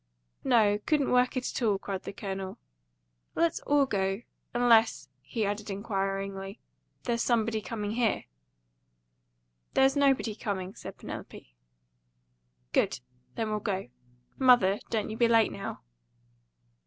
"No; couldn't work it at all," cried the Colonel. "Let's all go. Unless," he added inquiringly, "there's somebody coming here?" "There's nobody coming," said Penelope. "Good! Then we'll go. Mother, don't you be late now."